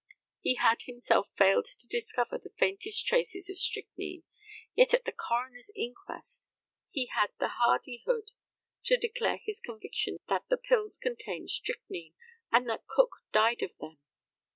He had himself failed to discover the faintest traces of strychnine, yet, at the coroner's inquest he had the hardihood to declare his conviction that the pills contained strychnine, and that Cook died of them.